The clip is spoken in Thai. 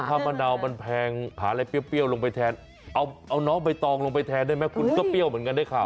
ถ้ามะนาวมันแพงหาอะไรเปรี้ยวลงไปแทนเอาน้องใบตองลงไปแทนได้ไหมคุณก็เปรี้ยวเหมือนกันได้ข่าว